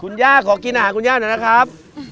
คุณย่าขอกินอาหารคุณย่าหน่อยนะครับ